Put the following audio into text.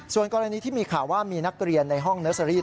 ส่วนกรณีที่มีข่าวว่ามีนักเรียนในห้องเนอร์เซอรี่